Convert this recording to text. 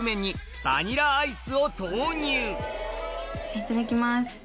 いただきます。